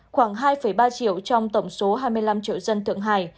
khoảng hai ba triệu trong tổng số hai mươi năm triệu dân thượng hải